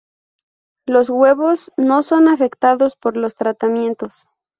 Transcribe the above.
Los huevos no son afectados por los tratamientos.